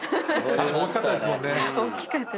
確かに大きかったですもんね。